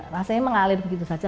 rasanya mengalir begitu saja